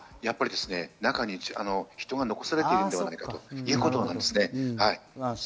中に人が残されていないかということがあるんですね。